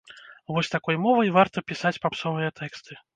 Вось такой мовай варта пісаць папсовыя тэксты!